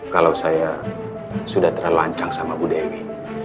kalau saya sudah terlalu ancang sama bu dewi